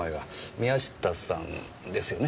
宮下さんですよね？